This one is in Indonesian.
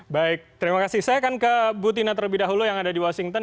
baik terima kasih saya akan ke bu tina terlebih dahulu yang ada di washington